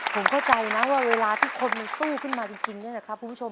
ผมเข้าใจนะว่าเวลาที่คนมันสู้ขึ้นมาจริงเนี่ยนะครับคุณผู้ชม